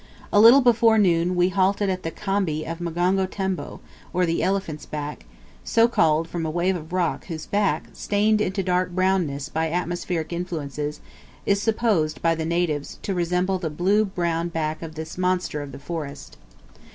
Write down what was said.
A little before noon we halted at the Khambi of Mgongo Tembo, or the Elephant's Back so called from a wave of rock whose back, stained into dark brownness by atmospheric influences, is supposed by the natives to resemble the blue brown back of this monster of the forest.